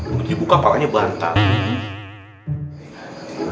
buktinya buka pakainya bantal